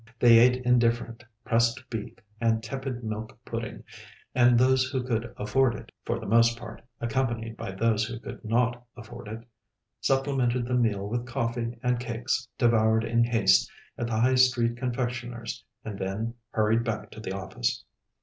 They ate indifferent pressed beef and tepid milk pudding, and those who could afford it for the most part accompanied by those who could not afford it supplemented the meal with coffee and cakes devoured in haste at the High Street confectioner's, and then hurried back to the office.